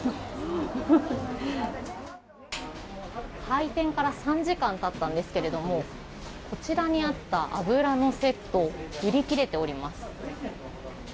開店から３時間経ったんですがこちらにあった油のセット売り切れております。